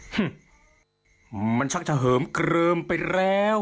อืมมันชักจะเหิมเกลิมไปแล้ว